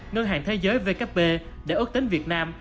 ngân hàng thế giới vkp đã ước tính việt nam